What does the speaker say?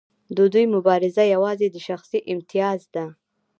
د دوی مبارزه یوازې د شخصي امتیاز ده.